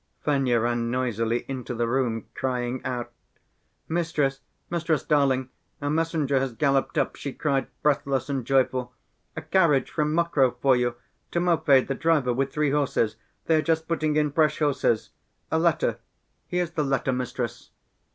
Fenya ran noisily into the room, crying out: "Mistress, mistress darling, a messenger has galloped up," she cried, breathless and joyful. "A carriage from Mokroe for you, Timofey the driver, with three horses, they are just putting in fresh horses.... A letter, here's the letter, mistress."